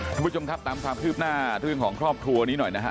คุณผู้ชมครับตามความคืบหน้าเรื่องของครอบครัวนี้หน่อยนะฮะ